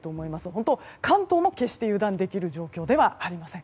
本当に関東も決して油断できる状況ではありません。